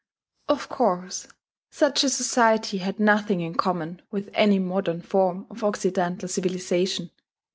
Of course such a society had nothing in common with any modern form of Occidental civilization.